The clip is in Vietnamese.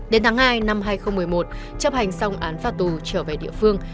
đến tháng hai năm hai nghìn một mươi một chấp hành xong án phạt tù trở về địa phương